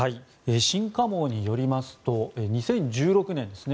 新華網によりますと２０１６年ですね